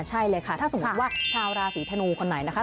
ใช่เลยค่ะถ้าสมมุติว่าชาวราศีธนูคนไหนนะคะ